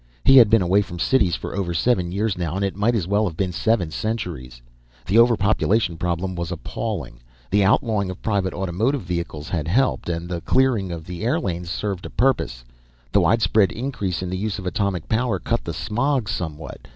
He had been away from cities for over seven years now, and it might well have been seven centuries. The overpopulation problem was appalling. The outlawing of private automotive vehicles had helped, and the clearing of the airlanes served a purpose; the widespread increase in the use of atomic power cut the smog somewhat.